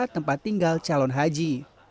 tempat tinggal calon haji